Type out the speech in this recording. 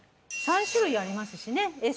３種類ありますしね